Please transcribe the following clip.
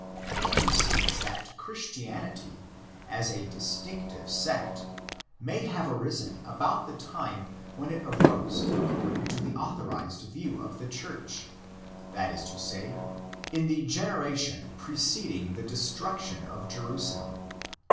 He concedes that Christianity, as a distinctive sect, may have arisen about the time when it arose according to the authorised view of the Church; that is to say, in the generation pre ceding the destruction of Jerusalem.